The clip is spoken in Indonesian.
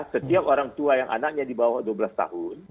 setiap orang tua yang anaknya di bawah dua belas tahun